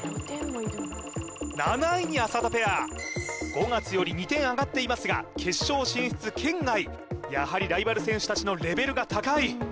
７位に浅田ペア５月より２点上がっていますが決勝進出圏外やはりライバル選手達のレベルが高い